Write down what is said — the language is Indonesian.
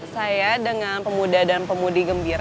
saya dengan pemuda dan pemudi gembira